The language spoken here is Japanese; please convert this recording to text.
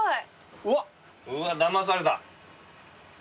うわだまされた。